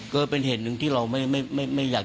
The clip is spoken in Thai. ก็เป็นเหตุหนึ่งที่เราไม่อยาก